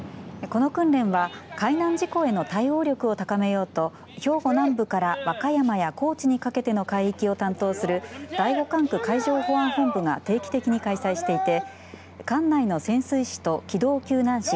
この訓練は海難事故への対応力を高めようと兵庫南部から和歌山や高知にかけての海域を担当する第５管区海上保安本部が定期的に開催していて管内の潜水士と機動救難士